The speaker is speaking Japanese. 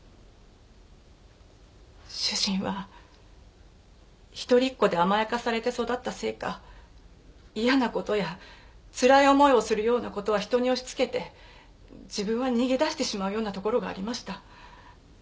主人は一人っ子で甘やかされて育ったせいか嫌な事やつらい思いをするような事は人に押し付けて自分は逃げ出してしまうようなところがありました。